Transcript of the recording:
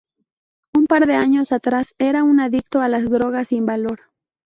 Un par de años atrás era un adicto a las drogas sin valor.